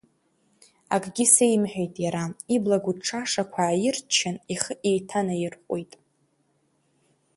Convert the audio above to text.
Акгьы сеимҳәеит иара, ибла гәыҭшашақәа ааирччан, ихы еиҭанаирҟәит.